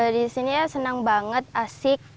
di sini ya senang banget asik